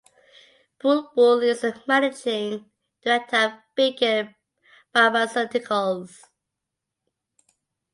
Bulbul is the Managing Director of Beacon Pharmaceuticals.